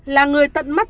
là người tận mắt